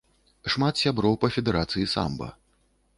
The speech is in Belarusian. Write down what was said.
Шмат сяброў па федэрацыі самба.